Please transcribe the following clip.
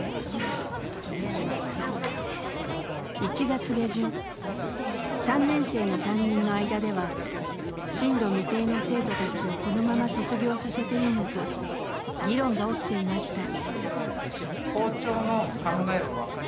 １月下旬３年生の担任の間では進路未定の生徒たちをこのまま卒業させていいのか議論が起きていました。